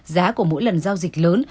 giá của mỗi lần giao dịch lớn